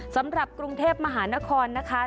สำหรับกรุงเทพมหานครนะคะ